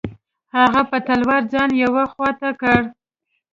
هغه په تلوار ځان یوې خوا ته کړ.